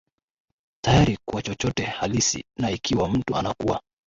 tayari kwa chochote halisi Na ikiwa mtu anakuwa